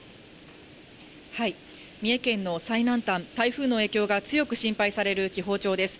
三重県の最南端、台風の影響が強く心配される紀宝町です。